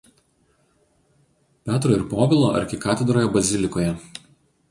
Petro ir Povilo arkikatedroje bazilikoje.